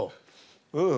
うん。